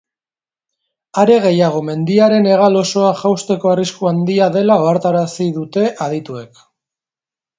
Are gehiago, mendiaren hegal osoa jausteko arriskua handia dela ohartarazi dute adituek.